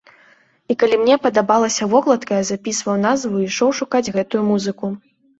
І калі мне падабалася вокладка, я запісваў назву і ішоў шукаць гэтую музыку.